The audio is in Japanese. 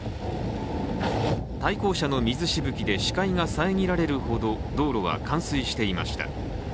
対向車の水しぶきで視界が遮られるほど道路は冠水していました。